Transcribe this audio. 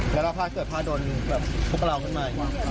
แล้วเราพลาดเกิดพลาดโดนพวกเราก็ไม่